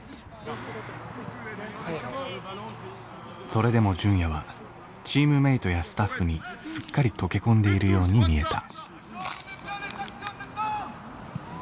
それでも純也はチームメートやスタッフにすっかり溶け込んでいるように見えた。